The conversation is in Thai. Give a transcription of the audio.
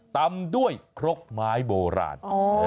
ตำด้วยครกไม้โบราณ